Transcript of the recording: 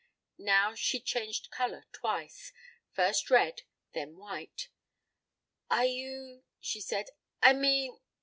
Now she changed colour twice first red, then white. "Are you," she said, "I mean